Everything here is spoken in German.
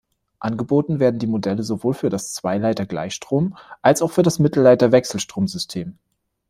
Angeboten werden die Modelle sowohl für das Zweileiter-Gleichstrom-, als für das Mittelleiter-Wechselstrom-System.